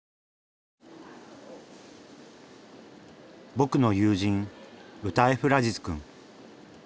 僕の友人ウタエフ・ラジズくん。